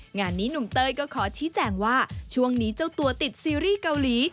งานนี้หนุ่มเต้ยก็ขอชี้แจงว่าช่วงนี้เจ้าตัวติดซีรีส์เกาหลี